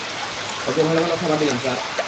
ওকে ভালো-ভালো খাবার দিবেন স্যার।